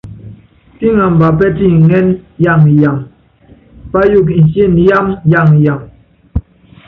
Píŋamba pɛ́tiŋɛ́nɛ́ yaŋɔ yaŋɔ, payuukɔ insiene yáámá yaŋɔ yaŋɔ.